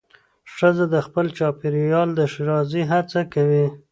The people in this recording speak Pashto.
ښځه د خپل چاپېریال د ښېرازۍ هڅه کوي.